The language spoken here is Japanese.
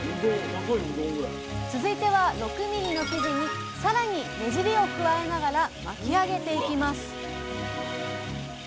続いては６ｍｍの生地にさらにねじりを加えながら巻き上げていきます